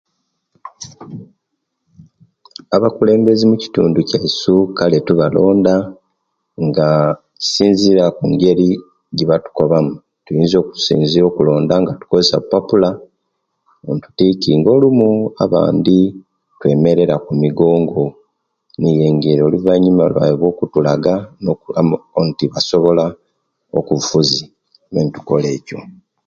Abakulembeze mukitundu kyaisu kale tubalonda nga kisinzirira kungeri jebatukobamu tuyinza okusinzirira okulonda nga tukozesya bupapula ne'tutikinga olumu abandi twemerera kumigongo niyo engeri oluvanyuma lwaibwe okutulaga amu inti basobola obufuzi me netukola ekyo